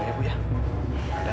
ya nggak ada